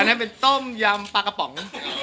นั่นเป็นต้มยำปลากระป๋อง